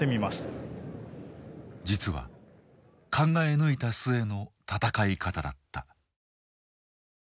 実は考え抜いた末の戦い方だった。